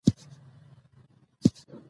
خارجي نظارت د حساب ورکونې ضمانت دی.